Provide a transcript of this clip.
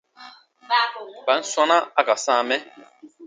Mban sɔ̃na n ka sãa mɛ ?